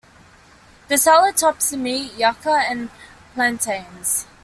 The salad tops the meat, yuca and plantains.